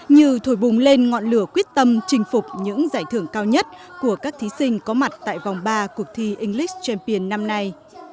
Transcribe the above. như thổi bùng lên ngọn lửa quyết tâm chinh phục những giải thưởng cao nhất của các thí sinh có mặt tại vòng ba cuộc thi english champion năm nay